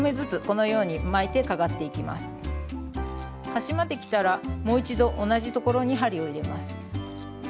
端まできたらもう一度同じところに針を入れます。